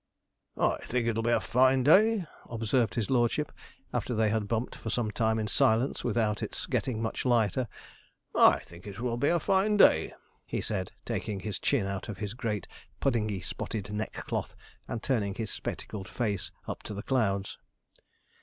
'I think it'll be a fine day,' observed his lordship, after they had bumped for some time in silence without its getting much lighter. 'I think it will be a fine day,' he said, taking his chin out of his great puddingy spotted neckcloth, and turning his spectacled face up to the clouds.